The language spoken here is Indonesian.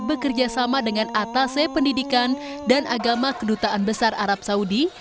bekerja sama dengan atase pendidikan dan agama kedutaan besar arab saudi